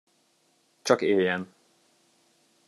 Csak éljen.